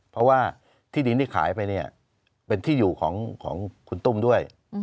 เพราะว่าที่ดินที่ขายไปเนี่ยเป็นที่อยู่ของคุณตุ้มด้วย